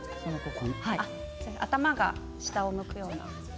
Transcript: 頭が下を向くような。